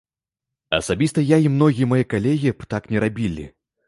Асабіста я і многія мае калегі б так не рабілі.